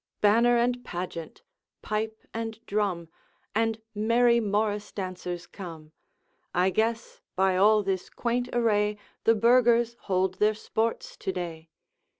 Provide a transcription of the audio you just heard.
Banner and pageant, pipe and drum, And merry morrice dancers come. I guess, by all this quaint array, The burghers hold their sports to day.